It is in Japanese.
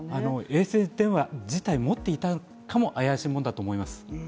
衛星電話自体持っていたかも怪しいものだと思います。